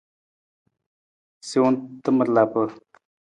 Siwung tamar lapa.